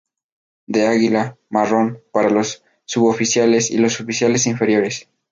De águila, marrón, para los suboficiales y los oficiales inferiores.